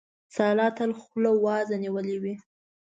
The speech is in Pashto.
سارا تل خوله وازه نيولې وي.